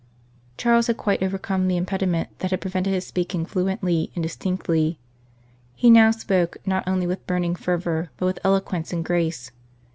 Charles had quite overcome the impediment that had prevented his speaking fluently and distinctly. He now spoke, not only with burn ing fervour, but with eloquence and grace.